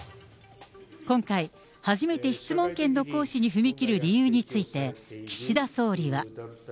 今回、初めて質問権の行使に踏み切る理由について、岸田総理は。